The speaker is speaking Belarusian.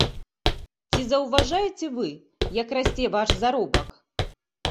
Ці заўважаеце вы, як расце ваш заробак?